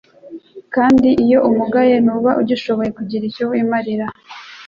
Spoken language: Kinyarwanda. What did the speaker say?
kandi iyo umugaye ntuba ugishoboye kugira icyo wimarira